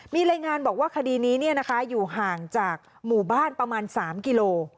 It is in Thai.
มีรายงานบอกว่าคดีนี้อยู่ห่างจากหมู่บ้านประมาณ๓กิโล